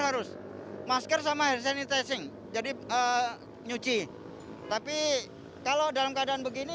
harus masker sama hand sanitizing jadi nyuci tapi kalau dalam keadaan begini